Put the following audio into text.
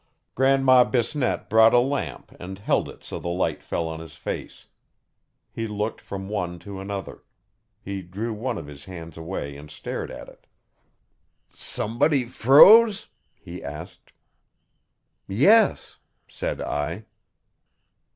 Grandma Bisnette brought a lamp and held it so the light fell on his face. He looked from one to another. He drew one of his hands away and stared at it. 'Somebody froze?' he asked. 'Yes,' said I.